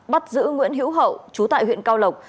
bắt giữ nguyễn hữu hậu chú tại huyện cao lộc